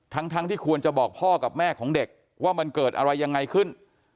ทั้งที่ควรจะบอกพ่อกับแม่ของเด็กว่ามันเกิดอะไรยังไงขึ้น